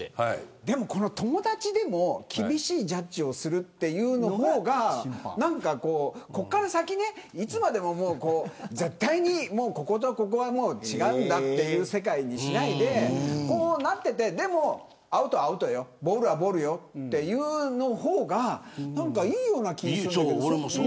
友達でも厳しいジャッジをするという方がここから先いつまでも絶対にこことここはもう違うんだという世界にしないでこうなっていてでも、アウトはアウトボールはボールという方がいいような気がするけれど。